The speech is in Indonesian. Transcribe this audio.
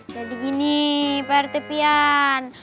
jadi gini pak rt pian